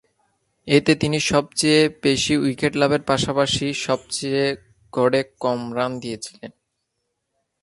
এতে তিনি সবচেয়ে বেশি উইকেট লাভের পাশাপাশি সবচেয়ে গড়ে কম রান দিয়েছিলেন।